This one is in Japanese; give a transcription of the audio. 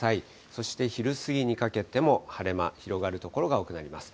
そして昼過ぎにかけても晴れ間、広がる所が多くなります。